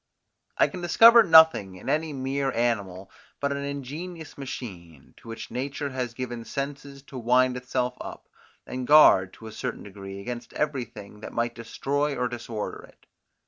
I can discover nothing in any mere animal but an ingenious machine, to which nature has given senses to wind itself up, and guard, to a certain degree, against everything that might destroy or disorder it.